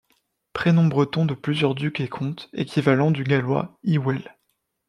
Prénom breton de plusieurs ducs et comtes, équivalent du gallois Hywel.